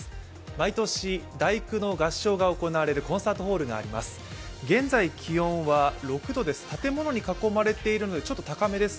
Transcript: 毎年、第九の合唱が行われるコンサートホールがあります。